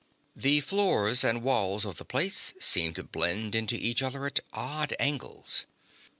The floors and walk of the place seemed to blend into each other at odd angles.